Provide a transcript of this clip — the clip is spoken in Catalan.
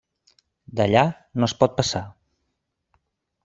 D'allà no espot passar.